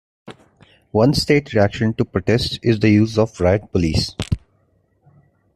One state reaction to protests is the use of riot police.